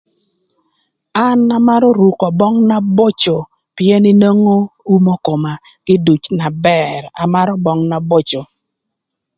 An amarö ruko böng na boco pïën inwongo umo koma kiduc na bër amarö böng na boco.